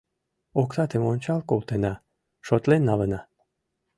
Оксатым ончал колтена, шотлен налына.